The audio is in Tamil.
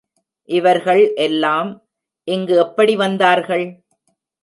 இவர்கள் எல்லாம் இங்கு எப்படி வந்தார்கள்?